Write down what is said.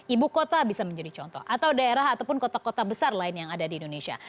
ibu kota bisa menjadi contoh atau daerah ataupun kota kota besar lain yang ada di indonesia